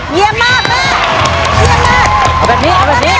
เยี่ยมมากแม่เยี่ยมมากเอาแบบนี้เอาแบบนี้